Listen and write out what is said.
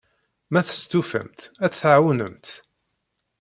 Ma testufamt, ad t-tɛawnemt.